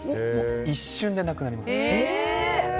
一瞬でなくなります。